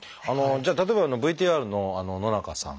じゃあ例えばＶＴＲの野中さん。